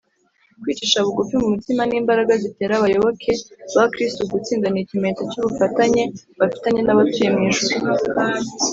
kwicisha bugufi mu mutima ni imbaraga zitera abayoboke ba kristo gutsinda; ni ikimenyetso cy’ubufatanye bafitanye n’abatuye mu ijuru